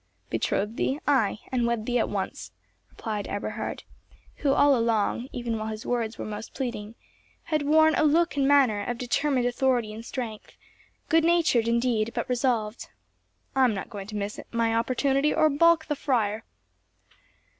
"Betroth thee, ay, and wed thee at once," replied Eberhard, who, all along, even while his words were most pleading, had worn a look and manner of determined authority and strength, good natured indeed, but resolved. "I am not going to miss my opportunity, or baulk the friar."